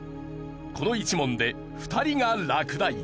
この１問で２人が落第。